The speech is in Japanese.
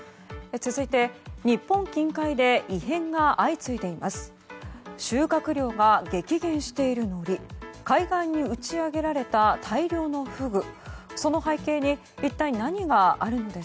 続いて、日本近海で異変が相次いでいます。